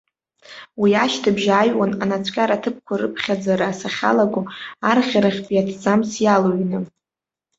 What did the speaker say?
Уи ашьҭыбжь ааҩуан анацәкьараҭыԥқәа рыԥхьаӡара сахьалагало, арӷьарахьтәи аҭӡамц иалыҩҩны.